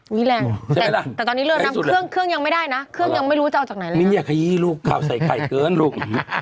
นี่แหละแต่ตอนนี้เริ่มนะเครื่องยังไม่ได้นะเครื่องยังไม่รู้ว่าจะเอาจากไหนแล้วนี่อย่าขยี้ลูกเขาใส่ไข่เกินลูก